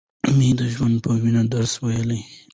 مې د زړه په وينو درس وويل.